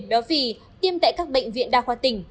đó vì tiêm tại các bệnh viện đa khoa tỉnh